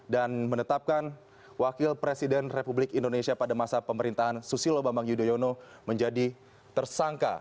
dan menetapkan wakil presiden republik indonesia pada masa pemerintahan susilo bambang yudhoyono menjadi tersangka